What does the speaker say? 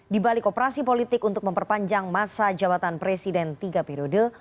di balik operasi politik untuk memperpanjang masa jabatan presiden tiga periode